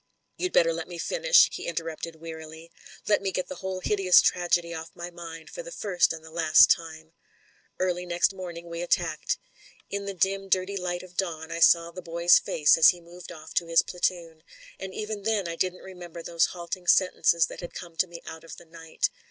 "You'd better let me finish/' he interrupted wearily. "Let me get the whole hideous tragedy off my mind for the first and the last time. Early next morning we attacked. In the dim dirty light of dawn I saw the boy's face as he moved off to his platoon ; and even then I didn't remember those halting sentences that had come to me out of the night.